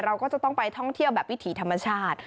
เราก็จะต้องไปท่องเที่ยวแบบวิถีธรรมชาติ